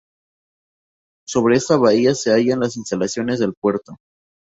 Sobre esta bahía se hallan las instalaciones del puerto.